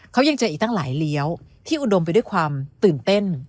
เขายังเจออีกตั้งหลายเลี้ยวที่อุดมไปด้วยความตื่นเต้น